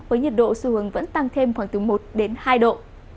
với nhiệt độ xu hướng vẫn tăng thêm khoảng từ một đến hai độ